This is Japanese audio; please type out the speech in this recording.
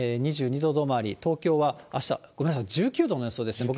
２２度止まり、東京はあした、ごめんなさい、１９度の予想でした。